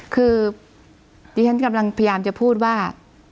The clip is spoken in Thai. คือดิฉันกำลังพยายามจะพูดว่า